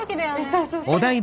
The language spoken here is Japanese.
そうそうそう。